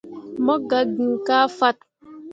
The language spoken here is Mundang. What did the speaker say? Mo gah gn kah fat.